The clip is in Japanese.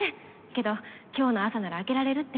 けど今日の朝なら空けられるって。